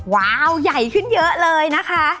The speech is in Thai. ว้าวใหญ่ขึ้นเยอะเลยนะคะ